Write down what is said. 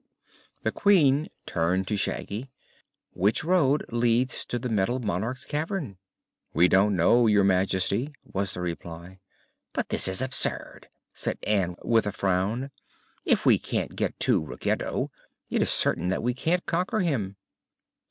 The Queen turned to Shaggy. "Which road leads to the Metal Monarch's cavern?" "We don't know, Your Majesty," was the reply. "But this is absurd!" said Ann with a frown. "If we can't get to Ruggedo, it is certain that we can't conquer him."